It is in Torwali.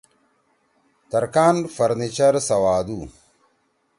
ترکان فرنیچر سوادُو۔